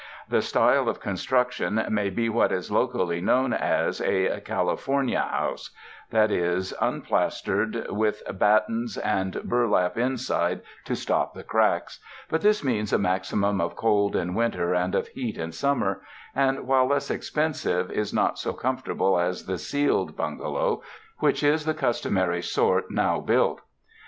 The style of construction may be what is locally known as a ''California house" — that is, unplastered, with battens and bur 237 UNDER THE SKY IN CALIFORNIA lap inside to stop the cracks ; but this means a maxi mum of cold in winter and of heat in summer, and while less expensive, is not so comfortable as the ceiled bungalow, which is the customary sort now built.